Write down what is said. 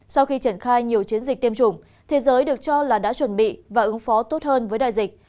sau khi triển khai nhiều chiến dịch tiêm chủng thế giới được cho là đã chuẩn bị và ứng phó tốt hơn với đại dịch